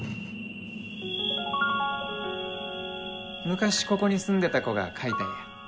昔ここに住んでた子が描いた絵や。